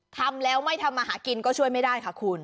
ทำแล้วไม่ทำมาหากินก็ช่วยไม่ได้ค่ะคุณ